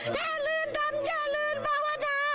แท้เลื่อนตำแจเลื่อนปวดา